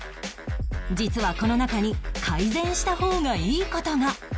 実はこの中に改善した方がいい事が